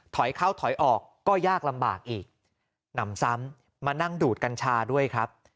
ถอยเข้าถอยออกก็ยากลำบากอีกหนำซ้ำมานั่งดูดกัญชาด้วยครับ